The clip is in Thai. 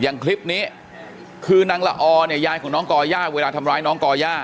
อย่างคลิปนี้คือนางละออเนี่ยยายของน้องก่อย่าเวลาทำร้ายน้องก่อย่า